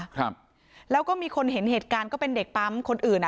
ครับแล้วก็มีคนเห็นเหตุการณ์ก็เป็นเด็กปั๊มคนอื่นอ่ะ